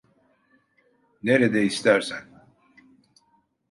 Nerede istersen.